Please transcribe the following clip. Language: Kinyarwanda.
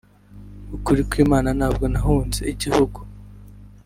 ni ukuri kw’Imana ntabwo nahunze(igihugu)